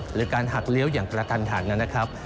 หรือการหักเลี้ยวอย่างกระทันหันนะครับ